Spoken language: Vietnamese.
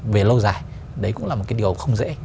về lâu dài đấy cũng là một cái điều không dễ